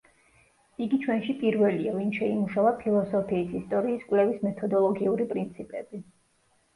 იგი ჩვენში პირველია, ვინც შეიმუშავა ფილოსოფიის ისტორიის კვლევის მეთოდოლოგიური პრინციპები.